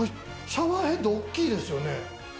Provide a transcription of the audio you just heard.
シャワーヘッド、大きいですよね。